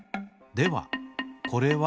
ではこれは？